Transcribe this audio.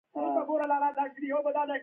هیلۍ د خپلو بچو روزنه ښه کوي